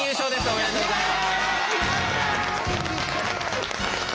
おめでとうございます。